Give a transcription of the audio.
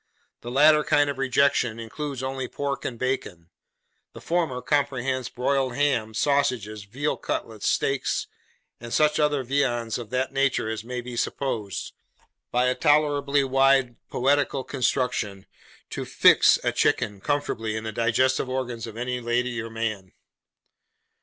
The latter kind of rejection includes only pork and bacon. The former comprehends broiled ham, sausages, veal cutlets, steaks, and such other viands of that nature as may be supposed, by a tolerably wide poetical construction, 'to fix' a chicken comfortably in the digestive organs of any lady or gentleman.